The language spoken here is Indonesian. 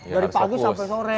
dari pagi sampai sore